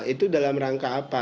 itu dalam rangka apa